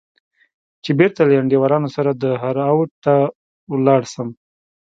چې بېرته له انډيوالانو سره دهراوت ته ولاړ سم.